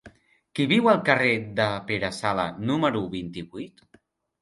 Qui viu al carrer de Pere Sala número vint-i-vuit?